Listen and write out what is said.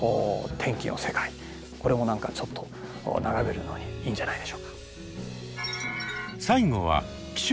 これも何かちょっと眺めるのにいいんじゃないでしょうか。